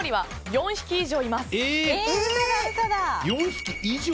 ４匹以上？